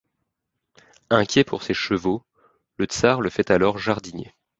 Inquiet pour ses chevaux, le tsar le fait alors jardinier.